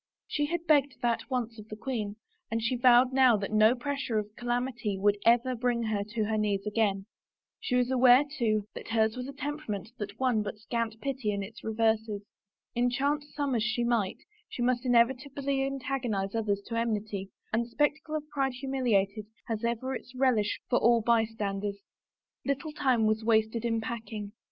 She had begged that once of the queen and she vowed now that no pressure of calamity would ever bring her to her knees again. She was aware, too, that hers was a temperament that won but scant pity in its reverses. Enchant some as she might, she must inevitably antagonize others to enmity, and the spectacle of pride humiliated has ever its relish for all bystanders. 26 A ROSE AND SOME WORDS Little time was wasted in packing.